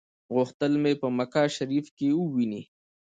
غوښتل په مکه شریفه کې وویني.